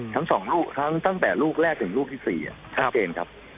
ทั้งสองลูกตั้งแต่ลูกแรกถึงลูกที่สี่เกณฑ์ครับ